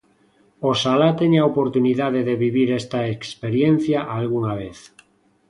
Oxalá teña a oportunidade de vivir esta experiencia algunha vez.